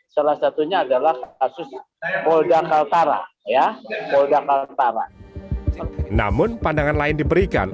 salah satunya adalah kasus polda kaltara ya polda kaltara namun pandangan lain diberikan